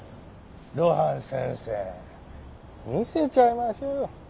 露伴先生見せちゃいましょうよッ。